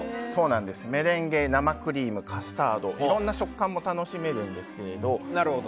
メレンゲ、生クリームカスタードといろんな食感も楽しめるんですけど。